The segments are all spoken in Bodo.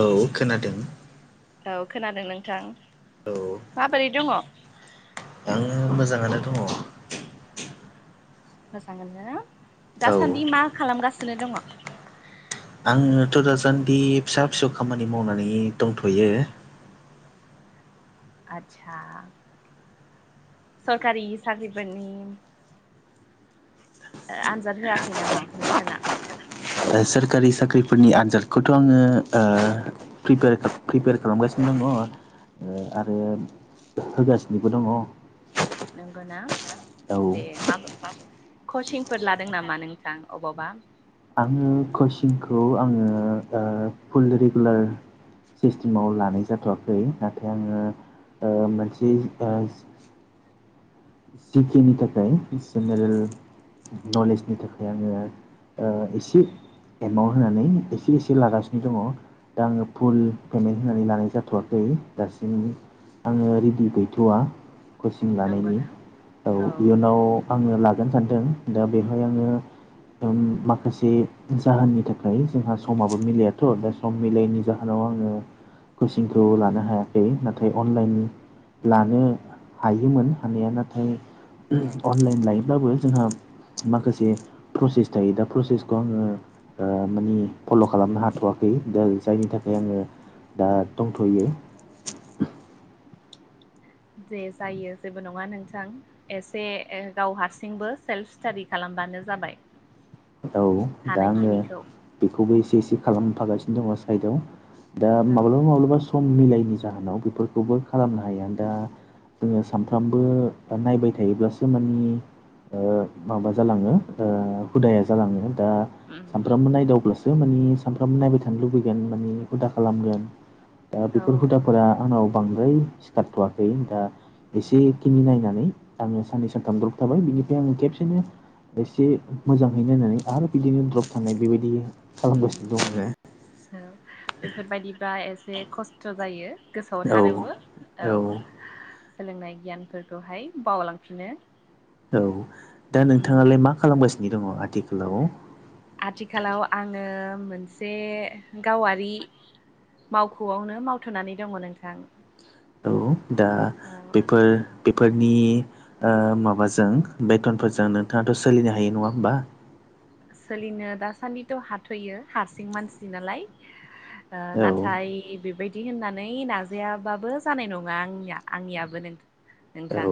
औ खोनादों औ खोनादों नोंथां औ माबोरै दङ आङो मोजाङानो दङ मोजाङानो ना दासान्दि मा खालामगासिनो दङ आङोथ दासानदि फिसा फिसौ खामानि मावनानै दंथ'यो आदसा सरकारि साख्रिफोरनि आनजाद होआखै नामा नोंथाङा सोरखारि साख्रिफोरनि आन्जादखौथ' आङो प्रिपेयार खालामगासिनो दङ आरो होगासिनोबो दङ नंगौ ना दे मा कचिंफोर लादों नामा नोंथां अबावबा आङो कचिंखौ आङो ओ फुल रेगुलार सिस्टेमाव लानाय जाथ'वाखै नाथाय आङो मोनसे तिथिनि थाखाय जेनेरेल नलेजनि थाखाय आङो ओ एसे एमाउन्ट होनानै एसे एसे लागासिनो दङ दा आङो फुल पेमेन्ट होननानै लानाय जाथ'वाखै दासिम आङो रेडि गैथ'वा। कचिं लानायनि नंगौना औ इयुनाव आङो लागोन सानदों दा बेवहाय आङो माखासे जाहोननि थाखाय जोंहा समाबो मिलायाथ' दा सम मिलायैनि जाहोनाव आङो कचिंखौ लानो हायाखै नाथाय अनलाइननि लानो हायोमोन हानाया नाथाय अनलाइन लायोब्लाबो जोंहा माखासे प्रसेस थायो। प्रसेसखौ आङो ओ माने फल' खालामनो हाथ'वाखै दा जायनि थाखाय आङो दा दंथ'यो। दे जायो जेबो नङा नोंथां। एसे गाव हारसिंबो सेल्फ स्टाडि खालामबानो जाबाय। औ दा आङो हानायखिनिखौ बेखौबो एसे एसे खालामफागासिनो दङ साइदआव। दा औ माब्लाबा माब्लाबा सम मिलायनि जाहोनाव बेफोरखौबो खालामनो हाया दा जोङो सानफ्रामबो दा नायबाय थायोब्लासो माने ओ माबा जालाङो ओ हुदाया जालाङो दा उम सानफ्रामबो नायदावब्लासो माने सानफ्रामबो नायबाय थानो लुबैगोन माने हुदा खालामगोन दा औ बेफोर हुदाफोरा आंनाव बांद्राय सिखारथ'वाखै दा एसेखिनि नायनानै आङो साननै सानथाम द्रब थाबाय बिनिफ्राय आङो खेबसेनो एसे मोजाङै नायनानै आरो बिदिनो द्रप थानायनाय बेबायदि उम खालामगासिनो दं आरो औ बेफोरबायाददिबा एसे खस्थ' जायो गोसोआव आरो थानोबो औ। सोलोंनाय गियानफोरखौहाय बावलांफिनो। औ दा उम नोंथाङालाय मा खालामगासिनो दङ आथिखालाव? आथिखालाव आङो मोनसे गावारि मावख'आवनो मावथ'नानै दंमोन नोंथां। औ दा औ बेफोर बेफोरनि ओ माबाजों बेथनफोरजों नोंथाङाथ' सोलिनो हायो नङा होमबा। सोलिनो दासान्दिथ' हाथ'यो हारसिं मानसि नालाय ओ औ नाथाय बेबायदि बि होननानै नाजायाबाबो जानाय नङा आंनिया आंनियाबो औ नोंथां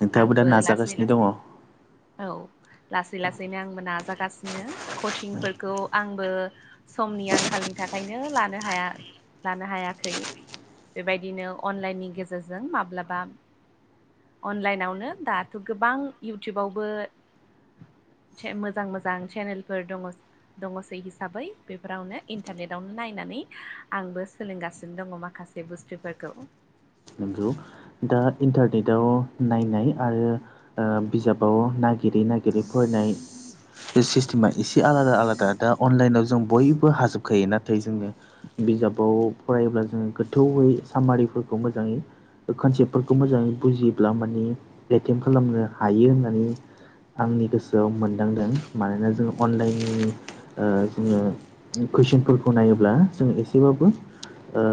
नोंथाङाबो दा आंबो लासै नाजागासिनो दङ औ लासै लासैनो आंबो ना जागासिनो कचिंफोरखौ आंबो समनि आंखालनि थाखायनो लानो हाया लानो हायाखै बेबायदिनो अनलाइननि गेजेरजों माब्लाबा अनलाइनावनो दाथ' गोबां इउटुबावबो से मोजां मोजां चेनेलफोर दङ। दङसै हिसाबै बेफोरावनो इन्टारनेटावनो नायनानै आंबो सोलोंगासिनो दङ माखासे बे बुस्थुफोरखौ। नंगौ दा इन्टारनेटाव नायनाय आरो ओ बिजाबाव नागिर बिदि नागिरै फरायनाइ बे सिस्टेमा एसे आलादा आलादा दा अनलाइनाव जों बयबो हाजोबखायो नाथाय जोङो बिजाबाव फरायोब्ला जोङो गोथौयै सामारिफोरखौ मोजाङै कनसेप्टफोरखौ मोजाङै बुजियोब्ला माने एटेमट खालामनो हायो होननानै आंनि गोसोआव मोनदांदों मानोना जों अनलाइननि ओ जोङो कुइसनफोरखौ नायोब्ला जों एसेबाबो ओ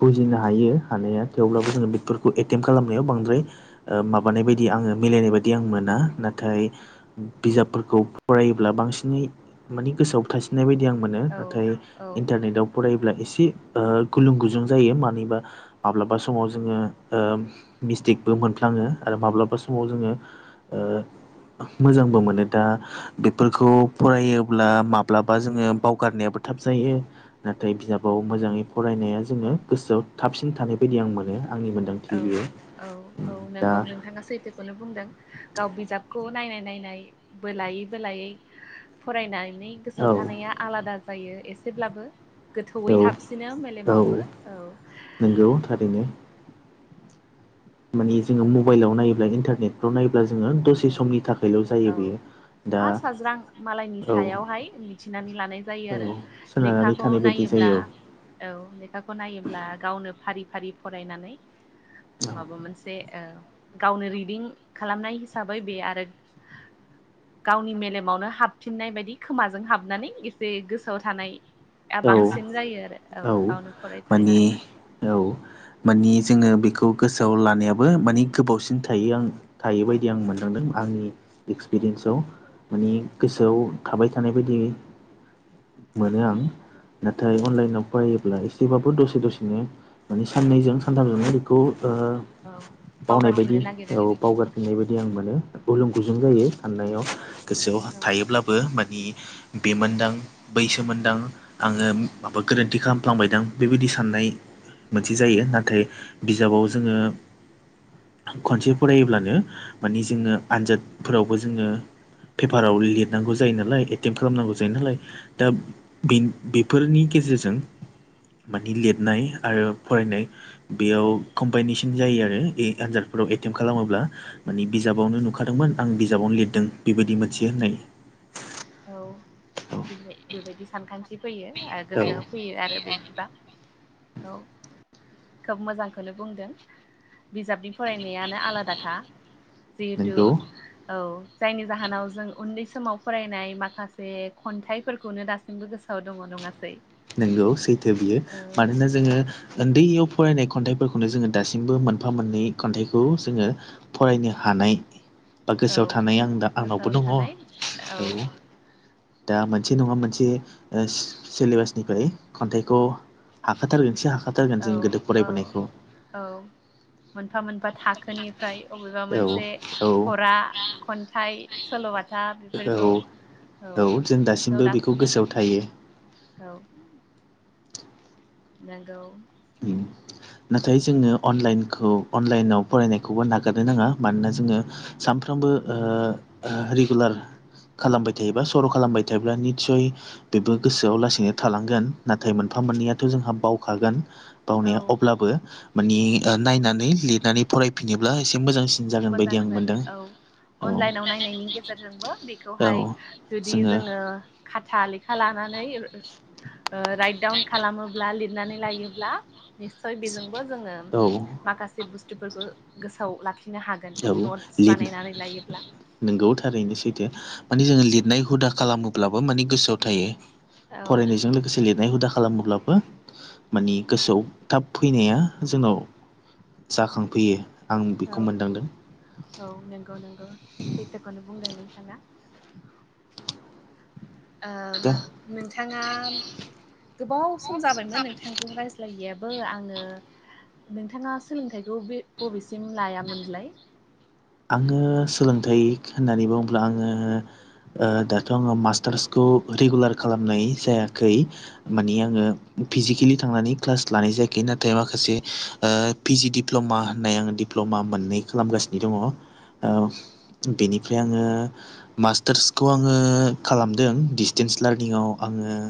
बुजिनो हायो हानाया थेवब्लाबो जोङो बेफोरखौ एटेम्ट खालामनायाव बांद्राय ओ माबानाय बायदि आङो मिलायनाय बायदि आं मोना नाथाय बिजाबफोरखौ फरायोब्ला बांसिनै माने गोसोआव थासिननाय बायदि आं मोन नाथाय औ इन्टारनेटाव फरायोब्ला एसे ओ गुलुं गुजुं जायो मानिबा माब्लाबा समाव जोङो ओ मिस्टेकबो मोन नाङो आरो माब्लाबा समाव जोङो ओ मोजांबो मोनो दा बेफोरखौ फरायोब्ला माब्लाबा जोङो बावगारनायाबो थाब जायो। नाथाय बिजाबाव मोजाङै फरायनाया जोङो औ गोसोआव थाबसिन थानाय बायदि आं मोनो आंनि मोन्दां औ औ औ नंगौ नोंथाङा सैथो बेखौनो बुंदों गाव बिजाबखौ नायनाय नायनाय बोलायै बोलायै फरायनानै गोसोआव औ थानाया आलादा जायो एसेब्लाबो गोथौयै औ हाबसिनो मेलेमावबो औ नोंगौ थारैनो। माने जोङो मबाइलाव नायोब्ला इन्टारनेटफ्राव नायोब्ला जोङो दसे औ समनि थाखायल' जायो औ बेयो। दा सा साज्रां मालायनि औ सायावहाय मिथिनानै लानाय जायो आरो। सोनारनानै लेखाखौ थानाय बायदि नायोब्ला जायो औ लेखाखौ नायोब्ला गावनो फारि फारि फरायनानै माबा मोनसे ओ गावनो रिदिं खालामनाय जाबाय बे आरो गावनि मेलेमावनो हाबफिननाय बायदि खोमाजों हाबनानै एसे गोसोआव थानाय या औ बांसिन जायो आरो औ गावनो माने फरायथारनानै औ माने जोङो बेखौ गोसोआव लानायाबो मानि गोबावसिन थायो आं थायो बायदि आं मोनदांदों आंनि एक्सपिरियेन्सआव। माने गोसोआव थाबाय थानाय बायदि मोनो आं। नाथाय अनलाइनाव फरायोब्ला एसेबाबो दसे दसेनो माने साननैजों सानथामजोंनो बेखौ ओ औ बावनाय बायदि बावगारफिननो नागिरो औ बावगार फिनाय बायदि आं मोनो गुलुं गुजुं औ जायो हाननायाव गोसोआव औ थायोब्लाबो मानि बेमोनदां बैसोमोनदां आङो माबा गोरोन्थि खालामफ्लांबायदां बेबायदि साननाय मोनसे जायो नाथाय बिजाबाव जोङो खनसे फरायोब्लानो माने जोङो आनजादफोरावबो जोङो पेपाराव लिरनांगौ जायो नालाय एटेम्ट खालामनांगौ जायो नालाय दा बे बेफोरनि गेजेरजों मानि लिरनाय आरो फरायनाय बेयाव कम्बाइनेसन जायो आरो आनजादफोराव एटेम्ट खालामोब्ला माने बिजाबावनो नुखादोंमोन आं बिजाबावनो लिरदों बेबायदि मोनथियो होननाय औ औ बि बेबायदि सानखान्थि फैयो औ गोसोआव फैयो आरो बिबदिबा औ। खोब मोजांखौनो बुंदों बिजाबनि फरायनायानो आलादााखा जिहेथु नंगौ औ जायनि जाहोनाव जों उन्दै समाव फरायनाय माखासे खन्थाइफोरखौनो दासिमबो गोसोआव दङ नङासै? नोंगौ सैथो बियो औ मानोना जोङो उन्दैयाव फरायनाय खन्थाइफोरखौनो जोङो दासिमबो मोनफा मोननै खन्थाइखौ जोङो फरायनो हानाय। बा औ गोसोआव थानाय आं दा आंनावबो गोसोआव दङ औ‍ थानाय औ दा मोनसे नङा मोनसे सिलेबास निफ्राय खन्थाइखौ हाखाथारगोन एसे हाखाथारगोन औ जों गोदो औ फरायबोनायखौ औ मोनफा मोनफा थाखोनिफ्राय अबेबा औ मोनसे औ फरा खन्थाइ सल' म औ बेफोरखौ औ औ जों गोसोआव बेखौ दासिमबो गोसोआव दं थायो औ। नगौ। उम नाथाय जोङो अनलाइनखौ अनलाइनाव फरायनायखौबो नागारनो नाङा मानोना जोङो सानफ्रोमबो रेगुलार खालामबाय थायोबा सर' खालामबाय थायोब्ला निस्सय बेबो गोसोआव लासैनो थालांगोन नाथाय मोनफा मोननैयाथ' जोंहा बावखागोन। औ बावनाया अब्लाबो मानि नायनानै लिरनानै फरायफिनोब्ला एसे मोजांसिन जागोन मोजां बायदि आं जायो मोनदों औ औ अनलाइनाव नायनायनि गेजेरजोंबो औ बेखौहाय जुदि जोङो खाथा लेखा लानानै राइट दडाउन खालामो ब्ला लिरनानै लायोब्ला निस्सय बेजोंबो जोङो औ माखासे बुस्थुफोरखौ गोसोआव लाखिनो हागोन नटस बानायनानै लायोब्ला नंगौ थारैनो सैथो माने जोङो लिरनाय हुदा खालामोब्लाबो मान गोसोआव थायो औ फरायनायजों लोगोसे लिरनाय हुदा खालामोब्ला बा मानि गोसोआव थाब फैनाया जोंनाव जाखांफैयो। आं बेखौ औ मोनदांदों। औ नंगौ नंगौ सैथोखौनो बुंदों नोंथाङा ओ दा नोंथाङा गोबाव सम जाबायमोन नोंथांजों रायज्लायैयाबो आङो नोंथाङा सोलोंथाइखौ बे बबेसिम लायामोनलाय? आङो सोलोंथाइ होननानै बुङोब्ला आङो दाथ' आङो मास्टार्सखौ रेगुलार खालामनाय जायाखै माने आङो फिजिकेलि थांनानै क्लास लानाय जायाखै नाथाय माखासे पि जि डप्ल'मा होननाय आङो दिप्ल'मा मोननै खालामगासिनो दङ। औ बेनिफ्राय आङो मास्टार्सखौ आङो खालामदों डिसटेन्स लार्निंआव आङो।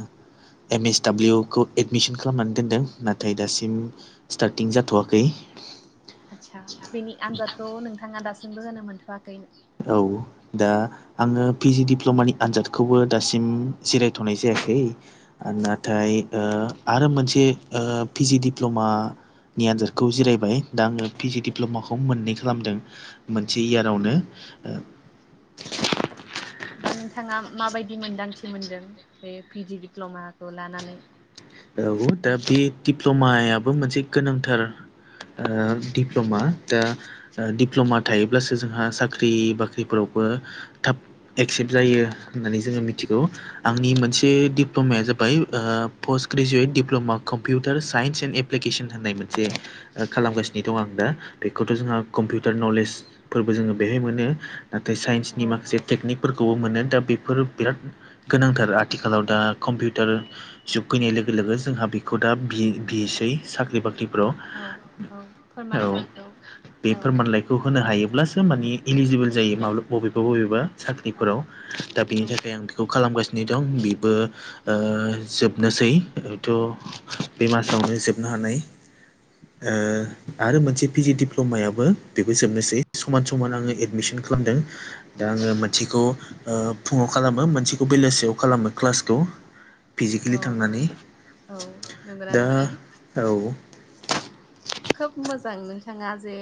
एम एस दाब्लिउखौ एडमिसन खालामनानै दोनदों नाथाय दासिम स्टार्टिं जाथ'वाखै आचसा बेनि आनजादखौ नोंथाङा दासिमबो होनो मोनथ'वाखै। औ। दा आङो पि जि दिडप्ल'मानि आनजादखौबो दासिम जिरायथ'नाय जायाखै नाथाय आरो मोनसे पि जि दिडप्ल'मा नि आनजादखौ जिरायबाय दा आङो पि जि दिडप्ल'माखौ मोननै खालामदों। मोनसे इयारावनो दा नोंथाङा माबायदि मोनदांथि मोनदों बे पिडि दिडप्ल'माखौ लानानै औ दा बे दिप्ल'मायाबो मोनसे गोनांथार दिप्ल'मा दा दिप्ल'मा थायोब्लासो जोंहा साख्रि बाख्रिफोरावबो थाब एक्सेप्ट जायो होननानै जोङो मिथिगौ। आंनि मोनसे दिप्ल'माया जाबाय पस्ट ग्रेजुवेट डिप्लमा कम कम्पिउटार साइन्स एन्ड एप्लिकेसन होननाय मोनसे खालामगासिनो दं आं दा बेखौथ' जोंहा कम्पिउटार नलेज फोरबो जोङो बेहाय मोनो नाथाय औ साइन्सनि माखासे। टेकनिकफोरखौबो मोनो दा बेफोर बिराद गोनांथार आथिखालाव दा कम्पिउटार जुग फैनाय लोगो लोगो जोंहा बेखौ दा बिसै साख्रि बाख्रि लौ औ औ औ फोरमानलाइखौ बे औ फोरमानलाइखौ खौ होनो हायोब्लासो मानि इलिजिबोल जायो माब्ला बबेबा बबेबा औ साख्रिफोराव दा बिनि औ थाखाय आं बेखौ खालामगासिनो दं बेबो ओ जोब बेनोसैथ' बे मासावनो जोबनो हानाय आरो मोनसे पिजि डप्ल'मायाबो बेबो जोबनोसै समान समान आङो एडमिसन खालामदों। दा आङो मोनसेखौ फुङाव खालामो मोनसेखौ बेलासेयाव खालामो क्लासखौ। औ इलि थांनानै नंगौना दा नोंथां औ। खोब मोजां नोंथाङा जे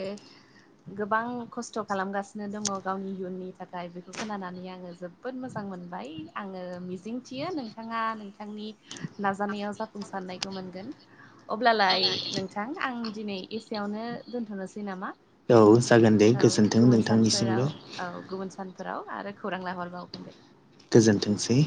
गोबां खस्थ' खालामगासिनो दङ गावनि इयुननि थाखाय बेखौ खोनानानै आङो जोब बोद मोजां मोनबाय आङो मिजिथियो नोंथाङा नोंथांनि नाजानायाव जाफुंसारनायखौ मोनगोन। अब्लालाय नोंथां आं दिनै एसेयावनो दोनथ'नोसै नामा। औ जागोन दे औ गोजोन्थों गुबुन नोंथांनिसिमबो सानफोराव औ गुबुन सानफोराव आरो खौरां लाहरबावगोन दे। गोजोनथोंसै।